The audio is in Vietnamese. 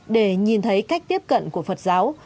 để nhìn thấy cách tiếp cận của phật giáo